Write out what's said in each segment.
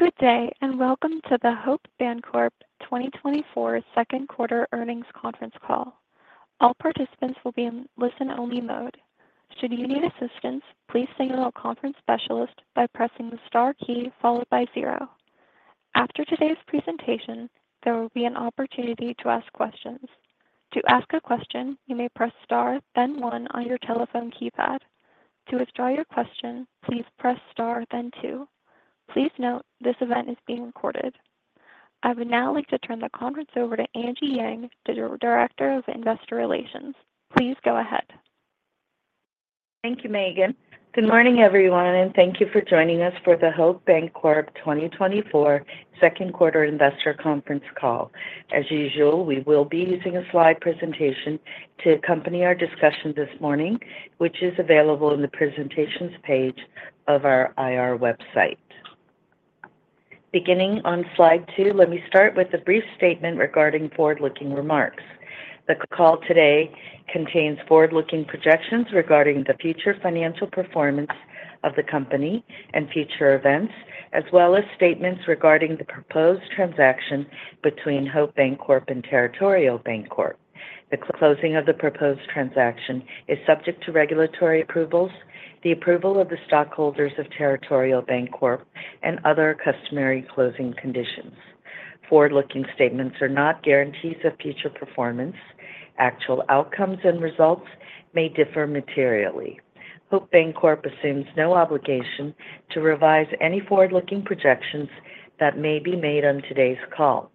Good day, and welcome to the Hope Bancorp 2024 Q2 Earnings Conference Call. All participants will be in listen-only mode. Should you need assistance, please signal a conference specialist by pressing the star key followed by zero. After today's presentation, there will be an opportunity to ask questions. To ask a question, you may press star, then one on your telephone keypad. To withdraw your question, please press star, then two. Please note this event is being recorded. I would now like to turn the conference over to Angie Yang, Director of Investor Relations. Please go ahead. Thank you, Megan. Good morning, everyone, and thank you for joining us for the Hope Bancorp 2024 Q2 Investor Conference Call. As usual, we will be using a slide presentation to accompany our discussion this morning, which is available in the presentations page of our IR website. Beginning on slide two, let me start with a brief statement regarding forward-looking remarks. The call today contains forward-looking projections regarding the future financial performance of the company and future events, as well as statements regarding the proposed transaction between Hope Bancorp and Territorial Bancorp. The closing of the proposed transaction is subject to regulatory approvals, the approval of the stockholders of Territorial Bancorp, and other customary closing conditions. Forward-looking statements are not guarantees of future performance. Actual outcomes and results may differ materially. Hope Bancorp assumes no obligation to revise any forward-looking projections that may be made on today's call.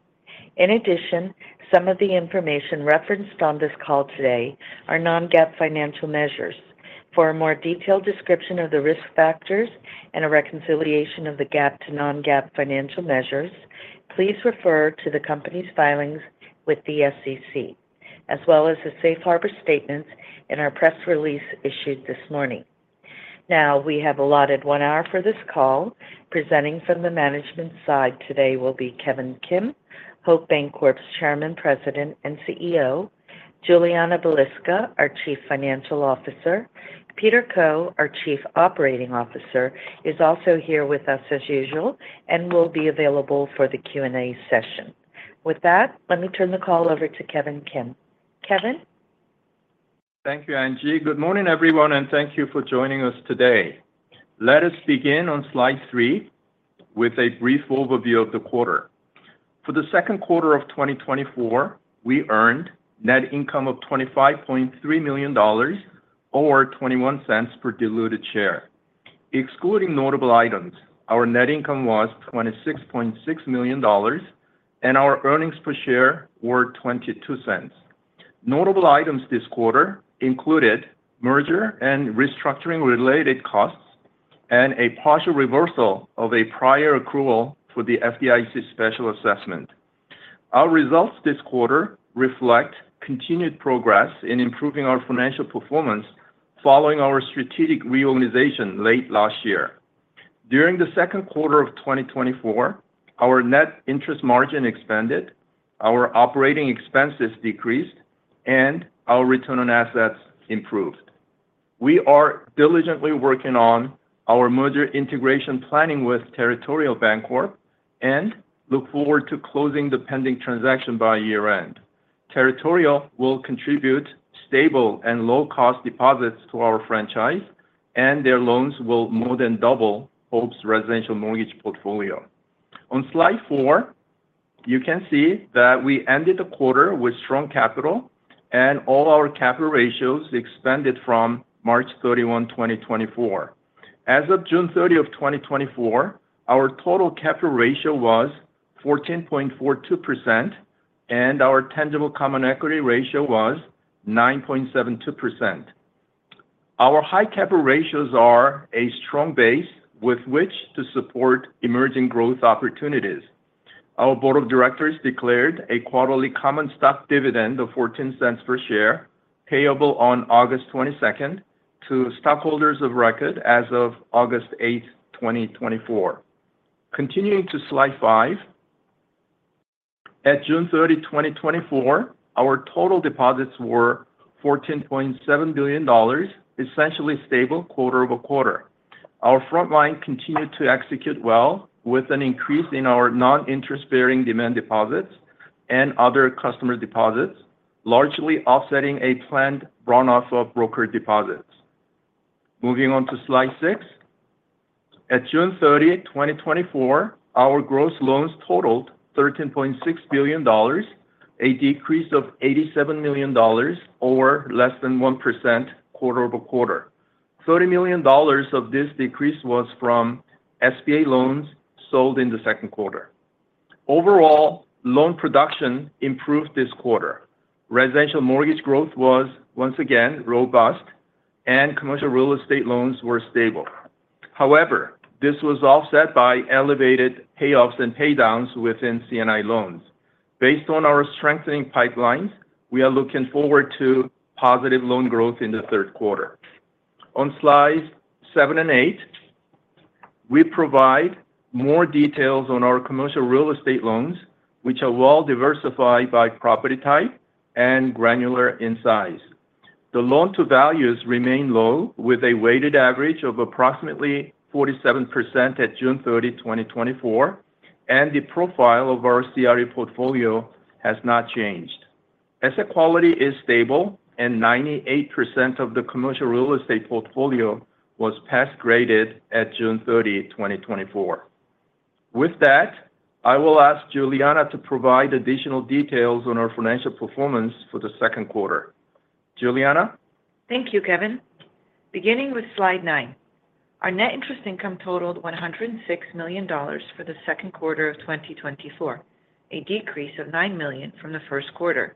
In addition, some of the information referenced on this call today are non-GAAP financial measures. For a more detailed description of the risk factors and a reconciliation of the GAAP to non-GAAP financial measures, please refer to the company's filings with the SEC, as well as the Safe Harbor statements in our press release issued this morning. Now, we have allotted one hour for this call. Presenting from the management side today will be Kevin Kim, Hope Bancorp's Chairman, President, and CEO; Julianna Balicka, our Chief Financial Officer; Peter Koh, our Chief Operating Officer, is also here with us as usual and will be available for the Q&A session. With that, let me turn the call over to Kevin Kim. Kevin? Thank you, Angie. Good morning, everyone, and thank you for joining us today. Let us begin on slide three with a brief overview of the quarter. For the Q2 of 2024, we earned net income of $25.3 million or $0.21 per diluted share. Excluding notable items, our net income was $26.6 million, and our earnings per share were $0.22. Notable items this quarter included merger and restructuring-related costs and a partial reversal of a prior accrual for the FDIC special assessment. Our results this quarter reflect continued progress in improving our financial performance following our strategic reorganization late last year. During the Q2 of 2024, our net interest margin expanded, our operating expenses decreased, and our return on assets improved. We are diligently working on our merger integration planning with Territorial Bancorp and look forward to closing the pending transaction by year-end. Territorial will contribute stable and low-cost deposits to our franchise, and their loans will more than double Hope's residential mortgage portfolio. On slide four, you can see that we ended the quarter with strong capital and all our capital ratios expanded from March 31, 2024. As of June 30, 2024, our total capital ratio was 14.42%, and our tangible common equity ratio was 9.72%. Our high capital ratios are a strong base with which to support emerging growth opportunities. Our Board of Directors declared a quarterly common stock dividend of $0.14 per share payable on August 22 to stockholders of record as of August 8, 2024. Continuing to slide five, at June 30, 2024, our total deposits were $14.7 billion, essentially stable quarter-over-quarter. Our front line continued to execute well with an increase in our non-interest-bearing demand deposits and other customer deposits, largely offsetting a planned run-off of brokered deposits. Moving on to slide six, at June 30, 2024, our gross loans totaled $13.6 billion, a decrease of $87 million or less than 1% quarter-over-quarter. $30 million of this decrease was from SBA loans sold in the Q2. Overall, loan production improved this quarter. Residential mortgage growth was, once again, robust, and commercial real estate loans were stable. However, this was offset by elevated payoffs and paydowns within C&I loans. Based on our strengthening pipelines, we are looking forward to positive loan growth in the Q3. On slides seven and eight, we provide more details on our commercial real estate loans, which are well-diversified by property type and granular in size. The loan-to-values remain low, with a weighted average of approximately 47% at June 30, 2024, and the profile of our CRE portfolio has not changed. Asset quality is stable, and 98% of the commercial real estate portfolio was pass-graded at June 30, 2024. With that, I will ask Julianna to provide additional details on our financial performance for the Q2. Julianna? Thank you, Kevin. Beginning with slide 9, our net interest income totaled $106 million for the Q2 of 2024, a decrease of $9 million from the Q1.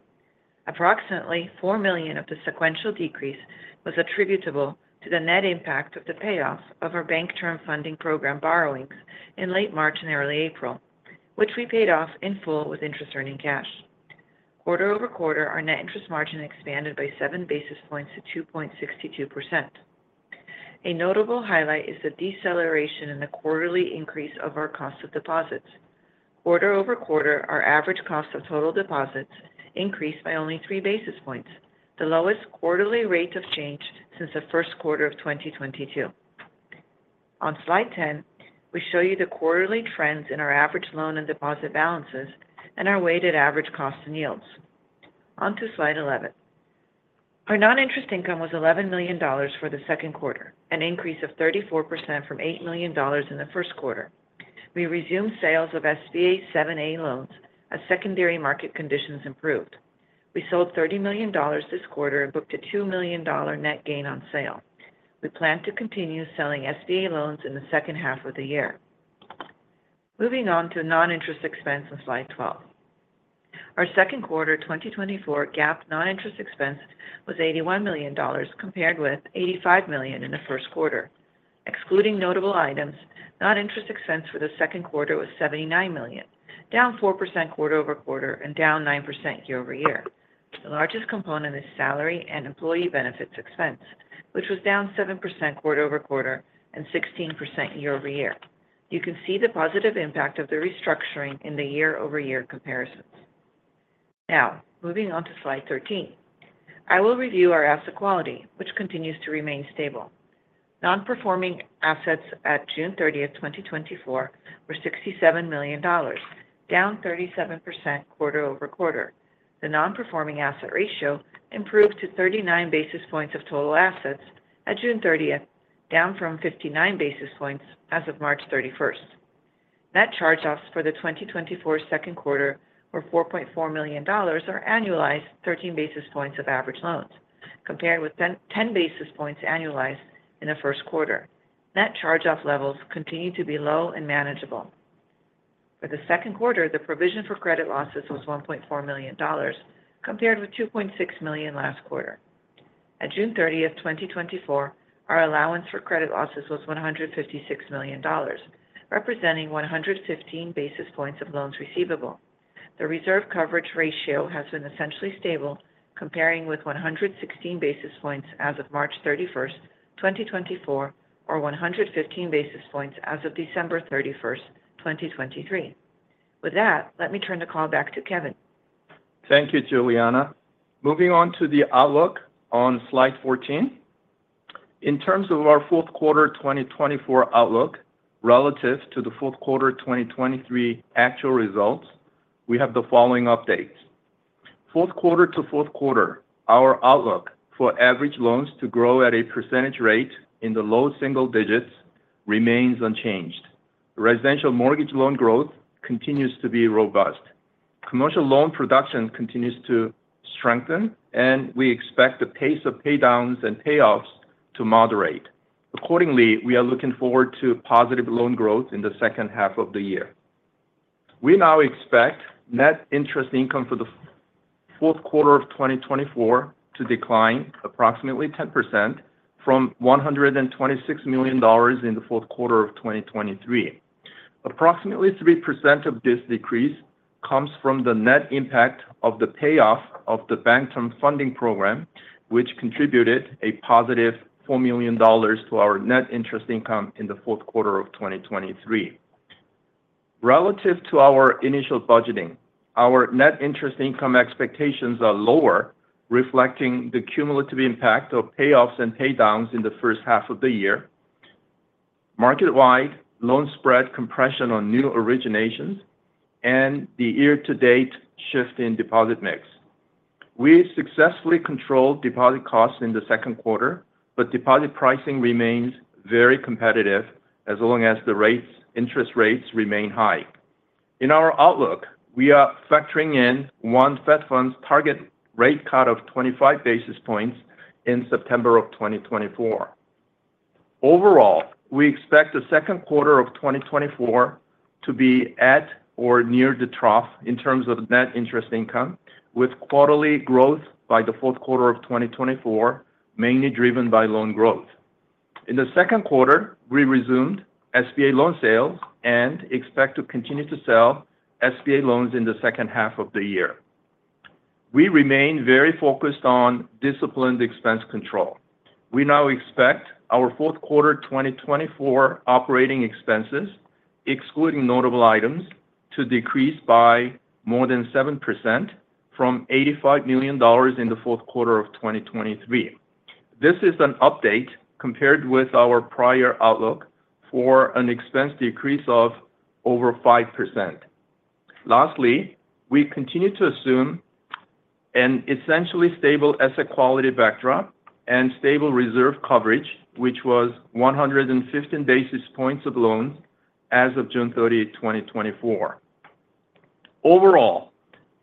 Approximately $4 million of the sequential decrease was attributable to the net impact of the payoff of our Bank Term Funding Program borrowings in late March and early April, which we paid off in full with interest-earning cash. Quarter-over-quarter, our net interest margin expanded by seven basis points to 2.62%. A notable highlight is the deceleration in the quarterly increase of our cost of deposits. Quarter-over-quarter, our average cost of total deposits increased by only three basis points, the lowest quarterly rate of change since the Q1 of 2022. On slide 10, we show you the quarterly trends in our average loan and deposit balances and our weighted average costs and yields. Onto slide 11. Our non-interest income was $11 million for the Q2, an increase of 34% from $8 million in the Q1. We resumed sales of SBA 7(a) loans as secondary market conditions improved. We sold $30 million this quarter and booked a $2 million net gain on sale. We plan to continue selling SBA loans in the second half of the year. Moving on to non-interest expense on slide 12. Our Q2 2024 GAAP non-interest expense was $81 million compared with $85 million in the Q1. Excluding notable items, non-interest expense for the Q2 was $79 million, down 4% quarter-over-quarter and down 9% year-over-year. The largest component is salary and employee benefits expense, which was down 7% quarter-over-quarter and 16% year-over-year. You can see the positive impact of the restructuring in the year-over-year comparisons. Now, moving on to slide 13, I will review our asset quality, which continues to remain stable. Non-performing assets at June 30, 2024, were $67 million, down 37% quarter-over-quarter. The non-performing asset ratio improved to 39 basis points of total assets at June 30, down from 59 basis points as of March 31. Net charge-offs for the 2024 Q2 were $4.4 million, or annualized 13 basis points of average loans, compared with 10 basis points annualized in the Q1. Net charge-off levels continue to be low and manageable. For the Q2, the provision for credit losses was $1.4 million, compared with $2.6 million last quarter. At June 30, 2024, our allowance for credit losses was $156 million, representing 115 basis points of loans receivable. The reserve coverage ratio has been essentially stable, comparing with 116 basis points as of March 31, 2024, or 115 basis points as of December 31, 2023. With that, let me turn the call back to Kevin. Thank you, Julianna. Moving on to the outlook on slide 14. In terms of our Q4 2024 outlook relative to the Q4 2023 actual results, we have the following updates. Q4 to Q4, our outlook for average loans to grow at a percentage rate in the low single digits remains unchanged. Residential mortgage loan growth continues to be robust. Commercial loan production continues to strengthen, and we expect the pace of paydowns and payoffs to moderate. Accordingly, we are looking forward to positive loan growth in the second half of the year. We now expect net interest income for the Q4 of 2024 to decline approximately 10% from $126 million in the Q4 of 2023. Approximately 3% of this decrease comes from the net impact of the payoff of the Bank Term Funding Program, which contributed a positive $4 million to our net interest income in the Q4 of 2023. Relative to our initial budgeting, our net interest income expectations are lower, reflecting the cumulative impact of payoffs and paydowns in the first half of the year, market-wide loan spread compression on new originations, and the year-to-date shift in deposit mix. We successfully controlled deposit costs in the Q2, but deposit pricing remains very competitive as long as the interest rates remain high. In our outlook, we are factoring in one Fed Funds target rate cut of 25 basis points in September of 2024. Overall, we expect the Q2 of 2024 to be at or near the trough in terms of net interest income, with quarterly growth by the Q4 of 2024 mainly driven by loan growth. In the Q2, we resumed SBA loan sales and expect to continue to sell SBA loans in the second half of the year. We remain very focused on disciplined expense control. We now expect our Q4 2024 operating expenses, excluding notable items, to decrease by more than 7% from $85 million in the Q4 of 2023. This is an update compared with our prior outlook for an expense decrease of over 5%. Lastly, we continue to assume an essentially stable asset quality backdrop and stable reserve coverage, which was 115 basis points of loans as of June 30, 2024. Overall,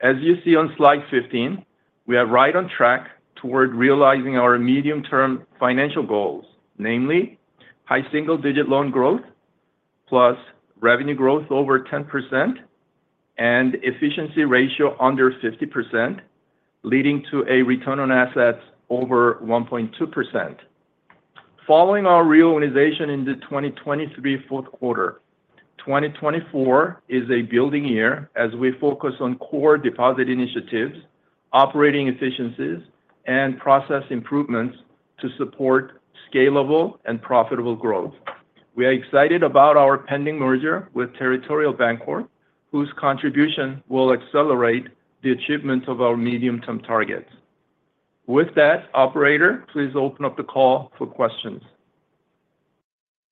as you see on slide 15, we are right on track toward realizing our medium-term financial goals, namely high single-digit loan growth plus revenue growth over 10% and efficiency ratio under 50%, leading to a return on assets over 1.2%. Following our reorganization in the 2023 Q4, 2024 is a building year as we focus on core deposit initiatives, operating efficiencies, and process improvements to support scalable and profitable growth. We are excited about our pending merger with Territorial Bancorp, whose contribution will accelerate the achievement of our medium-term targets. With that, operator, please open up the call for questions.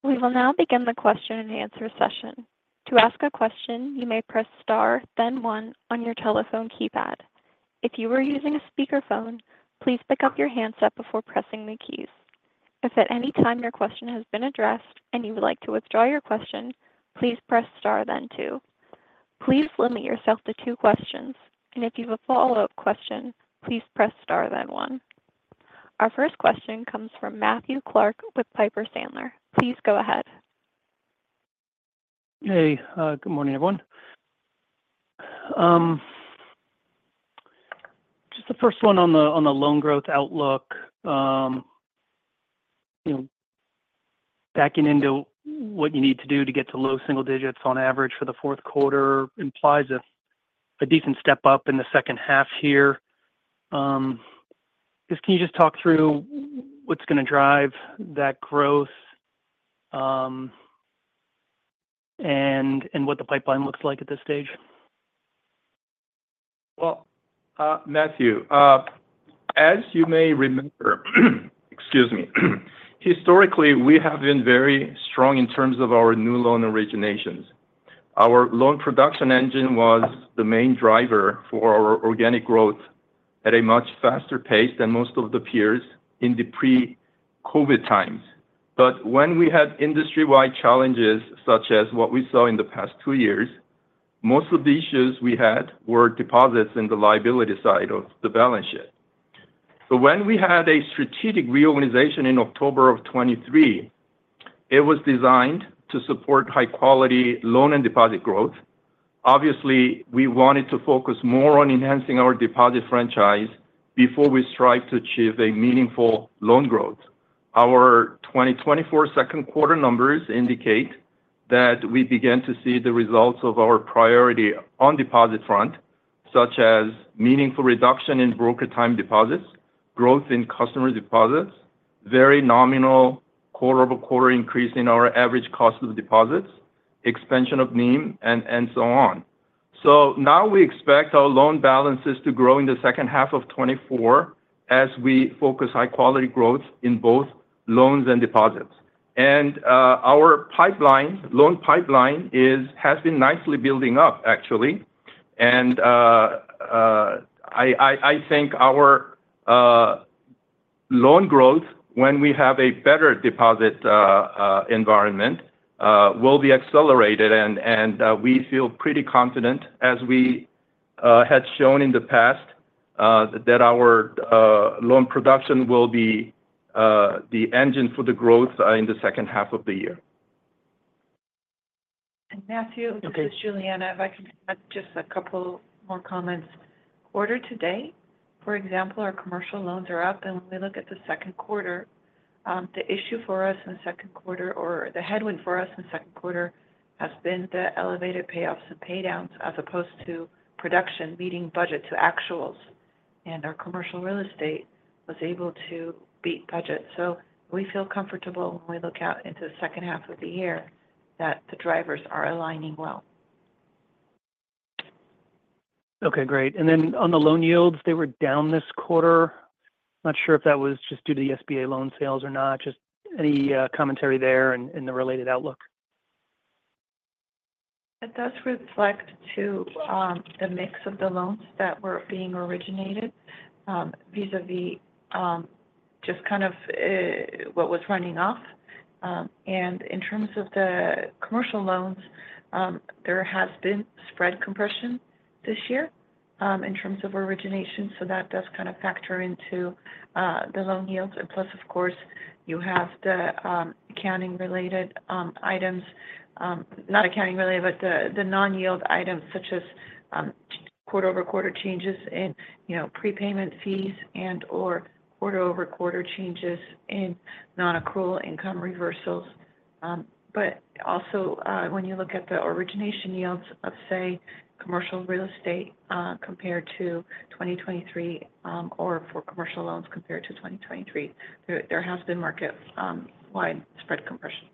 We will now begin the Q&A session. To ask a question, you may press star, then one on your telephone keypad. If you are using a speakerphone, please pick up your handset before pressing the keys. If at any time your question has been addressed and you would like to withdraw your question, please press star, then two. Please limit yourself to two questions, and if you have a follow-up question, please press star, then one. Our first question comes from Matthew Clark with Piper Sandler. Please go ahead. Hey, good morning, everyone. Just the first one on the loan growth outlook, backing into what you need to do to get to low single digits on average for the Q4 implies a decent step up in the second half here. Just can you just talk through what's going to drive that growth and what the pipeline looks like at this stage? Well, Matthew, as you may remember, excuse me, historically, we have been very strong in terms of our new loan originations. Our loan production engine was the main driver for our organic growth at a much faster pace than most of the peers in the pre-COVID times. But when we had industry-wide challenges, such as what we saw in the past two years, most of the issues we had were deposits in the liability side of the balance sheet. So when we had a strategic reorganization in October of 2023, it was designed to support high-quality loan and deposit growth. Obviously, we wanted to focus more on enhancing our deposit franchise before we strive to achieve a meaningful loan growth. Our 2024 Q2 numbers indicate that we began to see the results of our priority on deposit front, such as meaningful reduction in brokered deposits, growth in customer deposits, very nominal quarter-over-quarter increase in our average cost of deposits, expansion of NIM, and so on. Now we expect our loan balances to grow in the second half of 2024 as we focus high-quality growth in both loans and deposits. Our loan pipeline has been nicely building up, actually. I think our loan growth, when we have a better deposit environment, will be accelerated. We feel pretty confident, as we had shown in the past, that our loan production will be the engine for the growth in the second half of the year. Matthew, this is Julianna. If I can add just a couple more comments. Quarter to date, for example, our commercial loans are up. And when we look at the Q2, the issue for us in the Q2, or the headwind for us in the Q2, has been the elevated payoffs and paydowns as opposed to production meeting budget to actuals. And our commercial real estate was able to beat budget. So we feel comfortable when we look out into the second half of the year that the drivers are aligning well. Okay, great. Then on the loan yields, they were down this quarter. Not sure if that was just due to the SBA loan sales or not. Just any commentary there and the related outlook? It does reflect to the mix of the loans that were being originated vis-à-vis just kind of what was running off. In terms of the commercial loans, there has been spread compression this year in terms of origination. So that does kind of factor into the loan yields. And plus, of course, you have the accounting-related items, not accounting-related, but the non-yield items, such as quarter-over-quarter changes in prepayment fees and/or quarter-over-quarter changes in non-accrual income reversals. But also, when you look at the origination yields of, say, commercial real estate compared to 2023 or for commercial loans compared to 2023, there has been market-wide spread compression.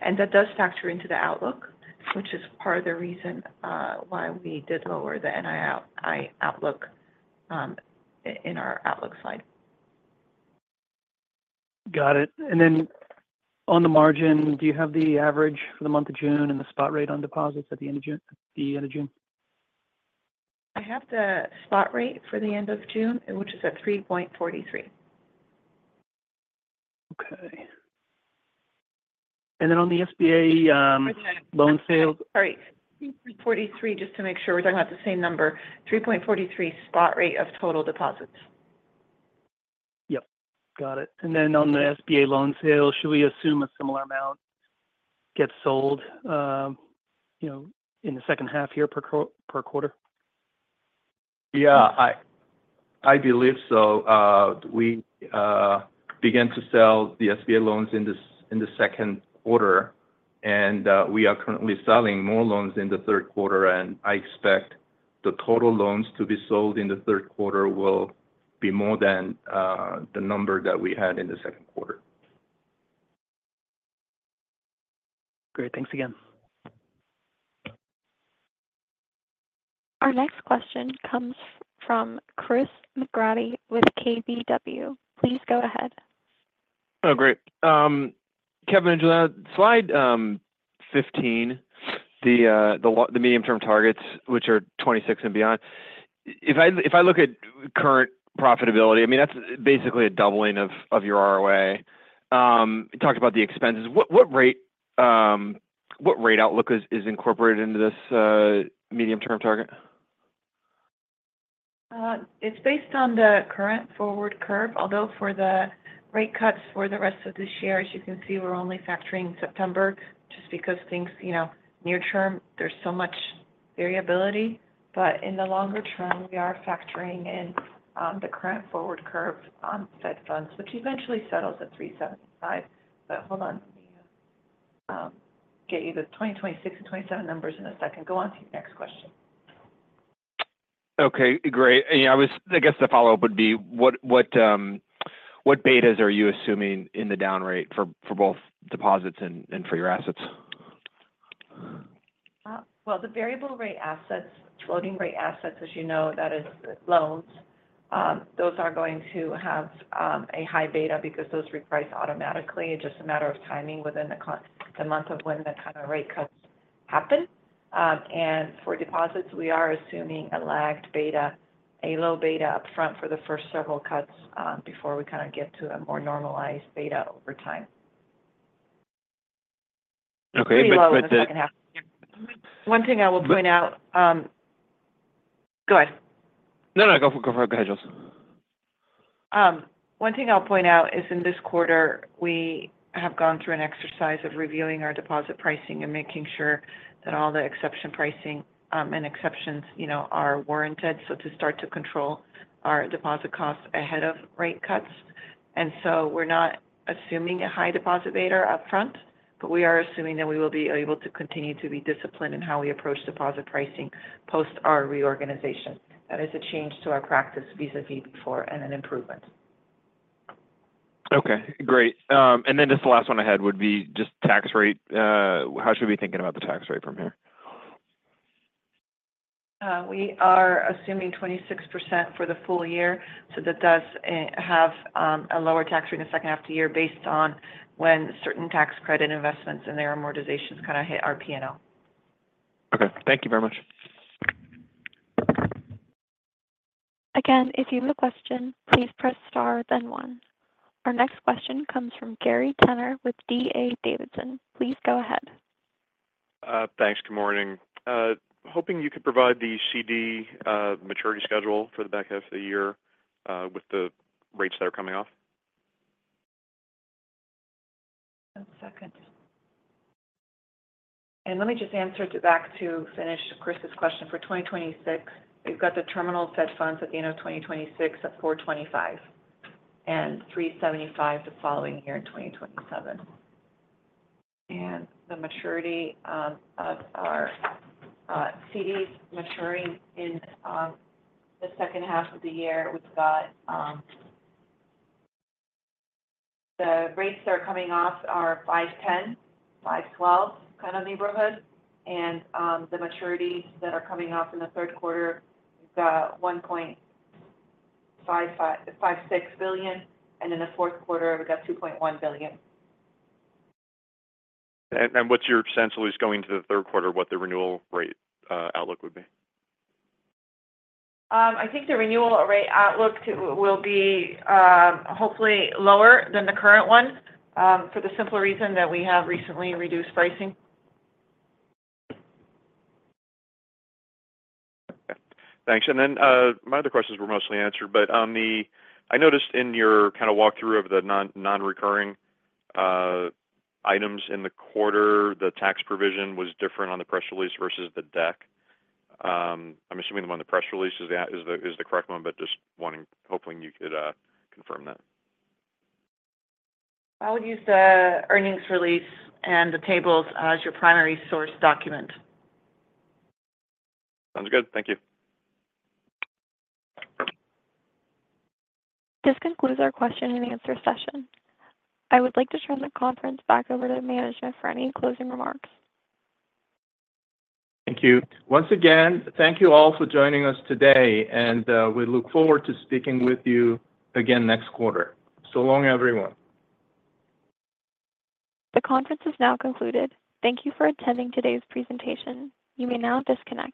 And that does factor into the outlook, which is part of the reason why we did lower the NII outlook in our outlook slide. Got it. Then on the margin, do you have the average for the month of June and the spot rate on deposits at the end of June? I have the spot rate for the end of June, which is at 3.43. Okay. And then on the SBA loan sales. Sorry. 3.43, just to make sure we're talking about the same number, 3.43 spot rate of total deposits. Yep. Got it. And then on the SBA loan sales, should we assume a similar amount gets sold in the second half here per quarter? Yeah, I believe so. We began to sell the SBA loans in the Q2, and we are currently selling more loans in the Q3. I expect the total loans to be sold in the Q3 will be more than the number that we had in the Q2. Great. Thanks again. Our next question comes from Chris McGratty with KBW. Please go ahead. Oh, great. Kevin and Julianna, slide 15, the medium-term targets, which are 26 and beyond. If I look at current profitability, I mean, that's basically a doubling of your ROA. You talked about the expenses. What rate outlook is incorporated into this medium-term target? It's based on the current forward curve. Although for the rate cuts for the rest of this year, as you can see, we're only factoring September just because things near-term, there's so much variability. But in the longer term, we are factoring in the current forward curve on Fed Funds, which eventually settles at 3.75. But hold on. Let me get you the 2026 and 2027 numbers in a second. Go on to your next question. Okay, great. I guess the follow-up would be, what betas are you assuming in the down rate for both deposits and for your assets? Well, the variable rate assets, floating rate assets, as you know, that is loans, those are going to have a high beta because those reprice automatically. It's just a matter of timing within the month of when the kind of rate cuts happen. And for deposits, we are assuming a lagged beta, a low beta upfront for the first several cuts before we kind of get to a more normalized beta over time. Okay. But. We lower in the second half. One thing I will point out. Go ahead. No, no. Go ahead, I just. One thing I'll point out is in this quarter, we have gone through an exercise of reviewing our deposit pricing and making sure that all the exception pricing and exceptions are warranted to start to control our deposit costs ahead of rate cuts. And so we're not assuming a high deposit beta upfront, but we are assuming that we will be able to continue to be disciplined in how we approach deposit pricing post our reorganization. That is a change to our practice vis-à-vis before and an improvement. Okay, great. And then just the last one I had would be just tax rate. How should we be thinking about the tax rate from here? We are assuming 26% for the full year. So that does have a lower tax rate in the second half of the year based on when certain tax credit investments and their amortizations kind of hit our P&L. Okay. Thank you very much. Again, if you have a question, please press star, then one. Our next question comes from Gary Tenner with DA Davidson. Please go ahead. Thanks. Good morning. Hoping you could provide the CD maturity schedule for the back half of the year with the rates that are coming off. One second. Let me just answer it back to finish Chris's question. For 2026, we've got the terminal Fed Funds at the end of 2026 at 4.25 and 3.75 the following year in 2027. The maturity of our CDs maturing in the second half of the year, we've got the rates that are coming off are 5.10, 5.12 kind of neighborhood. The maturities that are coming off in the Q3, we've got $1.56 billion. In the Q4, we've got $2.1 billion. What's your sense when we're going to the Q3, what the renewal rate outlook would be? I think the renewal rate outlook will be hopefully lower than the current one for the simple reason that we have recently reduced pricing. Okay. Thanks. And then my other questions were mostly answered. But I noticed in your kind of walkthrough of the non-recurring items in the quarter, the tax provision was different on the press release versus the deck. I'm assuming the one on the press release is the correct one, but just wanting hopefully you could confirm that. I would use the earnings release and the tables as your primary source document. Sounds good. Thank you. This concludes our Q&A session. I would like to turn the conference back over to management for any closing remarks. Thank you. Once again, thank you all for joining us today. We look forward to speaking with you again next quarter. So long, everyone. The conference is now concluded. Thank you for attending today's presentation. You may now disconnect.